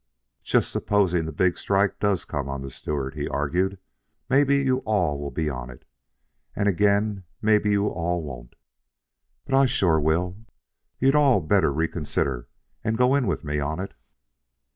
"Just supposing the big strike does come on the Stewart," he argued. "Mebbe you all'll be in on it, and then again mebbe you all won't. But I sure will. You all'd better reconsider and go in with me on it."